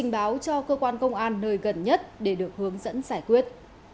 ban nơi gần nhất để được hướng dẫn giải quyết